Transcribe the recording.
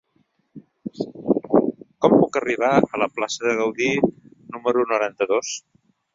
Com puc arribar a la plaça de Gaudí número noranta-dos?